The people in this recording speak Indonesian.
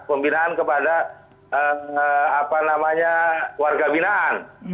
pembinaan kepada warga binaan